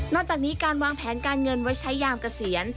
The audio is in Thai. จากนี้การวางแผนการเงินไว้ใช้ยามเกษียณ